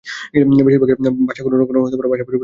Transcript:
বেশীর ভাগ ভাষাই কোনও না কোনও ভাষা পরিবারের অন্তর্গত।